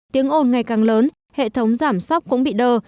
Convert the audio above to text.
tiếng ồn ngày càng lớn hệ thống giảm sóc cũng bị đơ